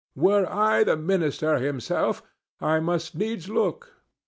Were I the minister himself, I must needs look.